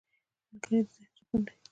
ملګری د ذهن سکون دی